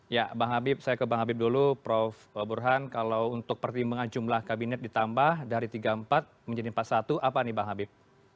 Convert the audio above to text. ya bang habib saya ke bang habib dulu prof burhan kalau untuk pertimbangan jumlah kabinet ditambah dari tiga puluh empat menjadi empat puluh satu apa nih bang habib